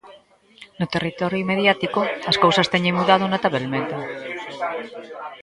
No territorio mediático, as cousas teñen mudado notabelmente.